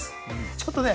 ちょっとね